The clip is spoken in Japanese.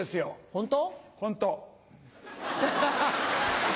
ホント？